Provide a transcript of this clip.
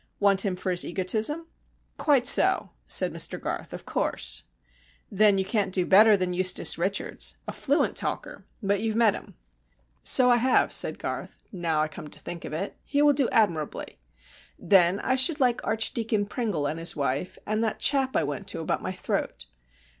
"Want him for his egotism?" "Quite so," said Mr Garth. "Of course." "Then you can't do better than Eustace Richards. A fluent talker. But you've met him." "So I have," said Garth, "now I come to think of it. He will do admirably. Then I should like Archdeacon Pringle and his wife, and that chap I went to about my throat."